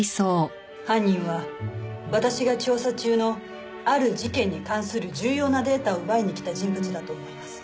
犯人は私が調査中のある事件に関する重要なデータを奪いに来た人物だと思います。